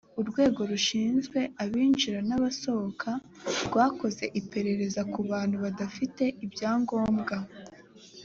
urwego rushizwe abinjira nabasohoka rwakoze iperereza kubantu badafite ibyagombwa